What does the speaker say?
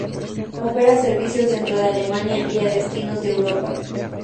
Opera servicios dentro de Alemania y a destinos en Europa.